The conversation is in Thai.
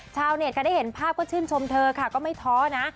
ชาวเน็ตค่ะได้เห็นภาพก็ชื่นชมเธอค่ะก็ไม่ท้อนะ